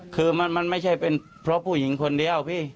คือมันไม่ใช่เป็นเพราะผู้หญิงคนเดียวพี่